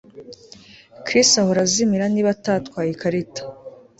Chris ahora azimira niba adatwaye ikarita